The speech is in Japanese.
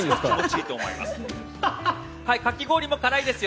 かき氷も辛いんですか？